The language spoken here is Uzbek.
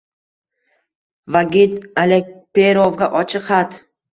Vagit Alekperovga ochiq xat!